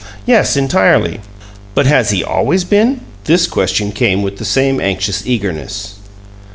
"Yes, entirely." "But has he ALWAYS been?" This question came with the same anxious eagerness.